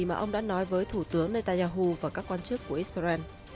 mà ông đã nói với thủ tướng netanyahu và các quan chức của israel